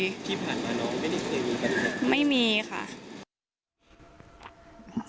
ที่ผ่านมาน้องไม่ได้เคยมีปัญหาไม่มีค่ะ